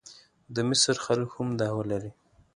د مصر خلک هم دعوه لري.